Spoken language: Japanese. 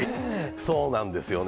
そうなんですよね。